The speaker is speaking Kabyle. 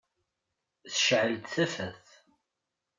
Tecεel-d tafat.